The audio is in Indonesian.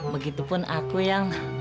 begitupun aku yang